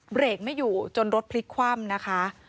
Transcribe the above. เบรกไม่อยู่จนรถพลิกคว่ำนะคะ